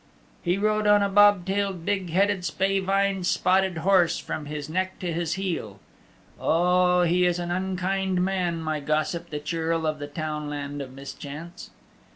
He rode on a bob tailed, big headed, spavined and spotted horse, from his neck to his heel. Oh, he is an unkind man, my gossip, the Churl of the Townland of Mischance."